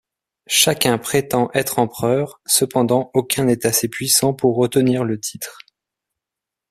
Chacun prétend être empereur, cependant aucun n'est assez puissant pour retenir le titre.